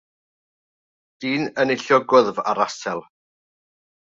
Dyn yn eillio gwddf â rasel.